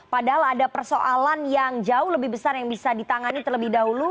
padahal ada persoalan yang jauh lebih besar yang bisa ditangani terlebih dahulu